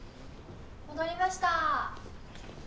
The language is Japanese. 戻りました。